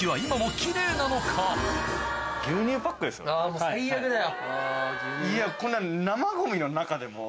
もう最悪だよ！